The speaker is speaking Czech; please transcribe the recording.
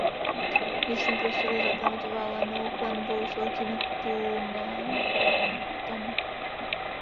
Vnitřní prostor je zaklenut valenou klenbou s velkými lunetami.